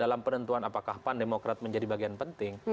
dalam penentuan apakah pan demokrat menjadi bagian penting